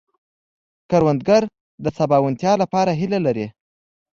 کروندګر د سباوونتیا لپاره هيله لري